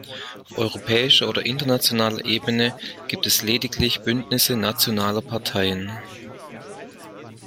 Auf europäischer oder internationaler Ebene gibt es lediglich Bündnisse nationaler Parteien.